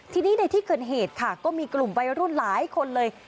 ทีนี้ในที่เกิดเหตุค่ะก็มีกลุ่มวัยรุ่นหลายคนเลย